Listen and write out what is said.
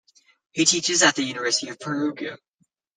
He teaches at the University of Perugia.